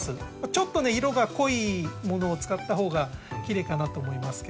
ちょっとね色が濃いものを使ったほうがきれいかなと思いますけど。